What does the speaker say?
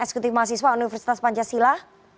eksekutif mahasiswa universitas pancasila